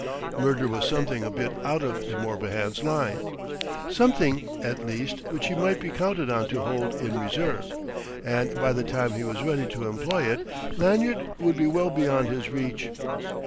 Murder was something a bit out of De Morbihan's line something, at least, which he might be counted on to hold in reserve. And by the time he was ready to employ it, Lanyard would be well beyond his reach.